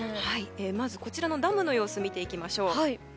まずこちらのダムの様子を見ていきましょう。